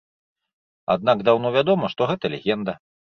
Аднак даўно вядома, што гэта легенда.